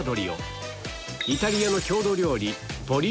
イタリアの郷土料理